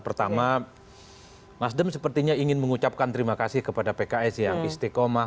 pertama nasdem sepertinya ingin mengucapkan terima kasih kepada pks yang istiqomah